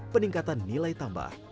peningkatan nilai tambah